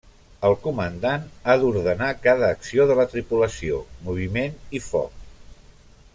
El comandant ha d'ordenar cada acció de la tripulació, moviment i foc.